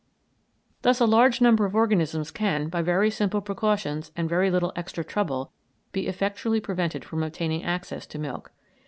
Thus a large number of organisms can, by very simple precautions and very little extra trouble, be effectually prevented from obtaining access to milk.